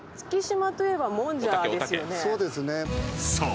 ［そう！